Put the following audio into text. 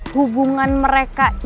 hubungan mereka cintanya